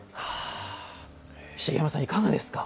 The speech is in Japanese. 茂山さん、いかがですか。